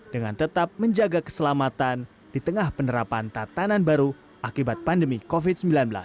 dengan tetap menjaga keselamatan di tengah penerapan tatanan baru akibat pandemi covid sembilan belas